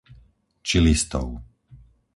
Čilistov